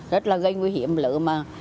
rất là gây nguy hiểm lựa mà